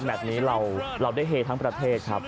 แบบนี้เราได้เฮทั้งประเทศครับ